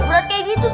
berarti kayak gitu